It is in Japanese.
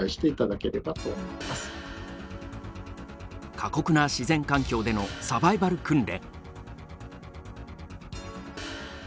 過酷な自然環境でのサバイバル訓練。